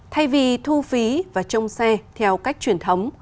thay vì thu phí và trông xe theo cách truyền thống